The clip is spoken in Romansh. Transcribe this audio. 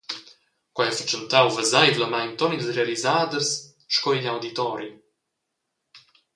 Quei ha fatschentau veseivlamein ton ils realisaders sco igl auditori.